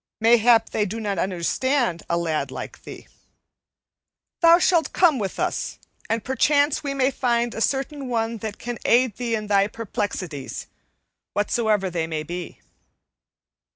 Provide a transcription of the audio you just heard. Mayhap they do not understand a lad like thee. Thou shalt come with us, and perchance we may find a certain one that can aid thee in thy perplexities, whatsoever they may be."